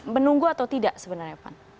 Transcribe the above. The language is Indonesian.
menunggu atau tidak sebenarnya pan